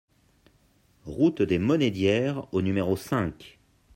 route des Monédières au numéro cinq